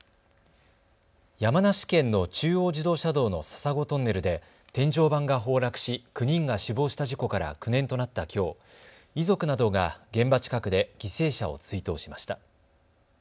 山梨県の中央自動車道の笹子トンネルで天井板が崩落し９人が死亡した事故から９年となったきょう、遺族などが現場近くで犠牲者を追悼しました。